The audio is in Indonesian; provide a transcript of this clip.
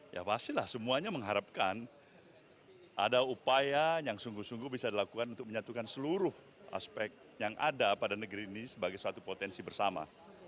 ya pastilah semuanya mengharapkan ada upaya yang sungguh sungguh bisa dilakukan untuk menyatukan seluruh aspek yang ada pada negeri ini sebagai suatu potensi bersama